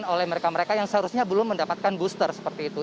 oleh mereka mereka yang seharusnya belum mendapatkan booster seperti itu